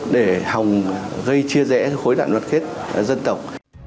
để hòng gây chia rẽ khối đạn luật khết dân tộc